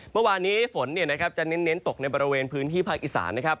เมื่อวานนี้ฝนจะเน้นตกในบริเวณพื้นที่ภาคอีสานนะครับ